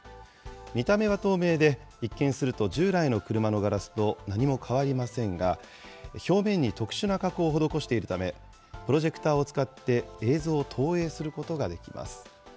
見た目は透明で、一見すると従来の車のガラスと何も変わりませんが、表面に特殊な加工を施しているため、プロジェクターを使って、映像を投影することができます。